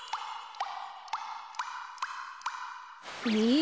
え？